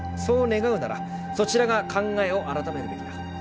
そう願うならそちらが考えを改めるべきだ。